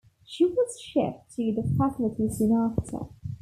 She was shipped to the facility soon after.